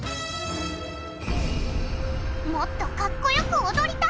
もっとかっこよく踊りたい！